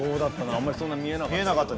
あんまりそんな見えなかった。